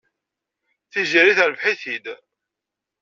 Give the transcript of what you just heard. Tiziri terbeḥ-it-id.